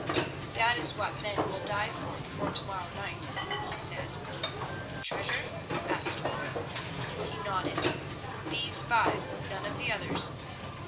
"That is what men will die for before to morrow night," he said. "The treasure?" asked Foy. He nodded. "These five, none of the others."